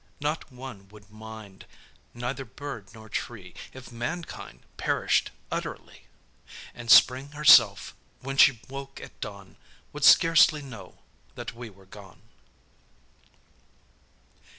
Not one would mind, neither bird nor tree If mankind perished utterly; And Spring herself, when she woke at dawn, Would scarcely know that we were gone.